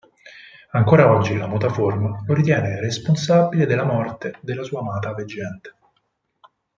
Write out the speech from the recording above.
Ancora oggi la mutaforma lo ritiene responsabile della morte della sua amata veggente.